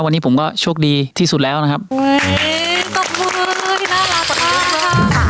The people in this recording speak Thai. วันนี้ผมก็โชคดีที่สุดแล้วนะครับเฮ้ยตกมือน่ารักจัง